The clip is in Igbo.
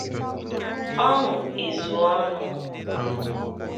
ọñụ ezuo ọnụ